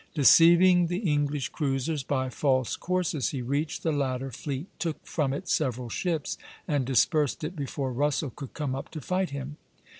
Deceiving the English cruisers by false courses, he reached the latter fleet, took from it several ships, and dispersed it before Russell could come up to fight him.